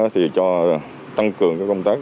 thì cho tăng cường công tác